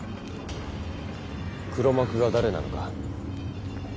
黒幕が誰なのか。